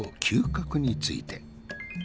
嗅覚について。